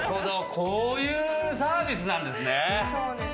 こういうサービスなんですね。